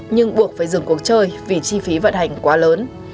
nhưng buộc phải dừng cuộc chơi vì chi phí vận hành quá lớn